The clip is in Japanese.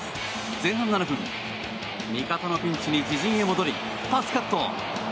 前半７分味方のピンチに自陣へ戻りパスカット。